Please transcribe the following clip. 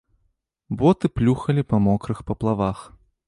Боты плюхалі па мокрых паплавах.